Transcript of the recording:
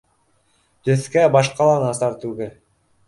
Төҫкә-башҡа ла насар түгел